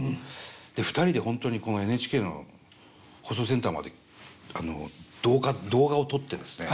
で２人で本当にこのＮＨＫの放送センターまであの動画を撮ってですね